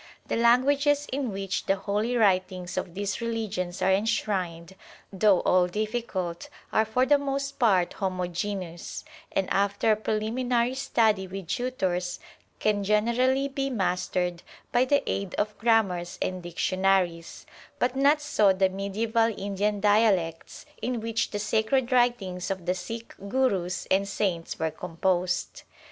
The languages in which the holy writings of these religions are enshrined, though all difficult, are for the most part homogeneous, and after preliminary study with tutors can generally be mastered by the aid of grammars and dictionaries ; but not so the mediaeval Indian dialects in which the sacred writings of the Sikh Gurus and Saints were composed.